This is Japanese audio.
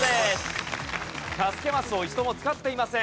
助けマスを一度も使っていません。